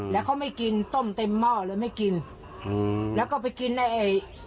แล้วเขาไม่กินต้มเต็มหม้อเลยไม่กินอืมแล้วก็ไปกินไอ้ไอ้